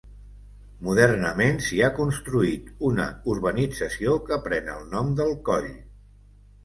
Modernament s'hi ha construït una urbanització que pren el nom del coll.